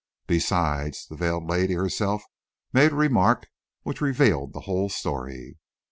Besides, the veiled lady herself made a remark which revealed the whole story."